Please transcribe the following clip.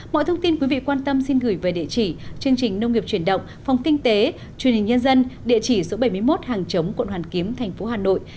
mọi thông tin quý vị quan tâm xin gửi về địa chỉ chương trình nông nghiệp chuyển động phòng kinh tế truyền hình nhân dân địa chỉ số bảy mươi một hàng chống quận hoàn kiếm thành phố hà nội